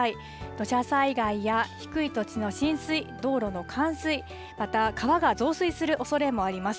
土砂災害や低い土地の浸水、道路の冠水、また川が増水するおそれもあります。